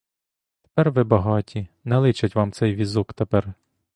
Тепер ви багаті: не личить вам цей візок тепер.